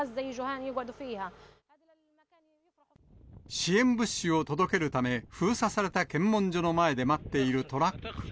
支援物資を届けるため、封鎖された検問所の前で待っているトラック。